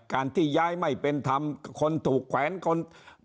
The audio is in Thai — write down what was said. การที่ย้ายไม่เป็นธรรมคนถูกแขวนคน